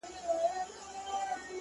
موږ ته تر سهاره چپه خوله ناست وي،